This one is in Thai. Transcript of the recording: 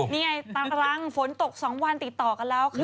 นี่ไงตารังฝนตก๒วันติดต่อกันแล้วค่ะ